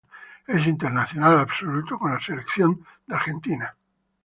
Es internacional absoluto con la selección de Argentina.